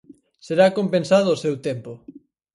Será compensado o seu tempo.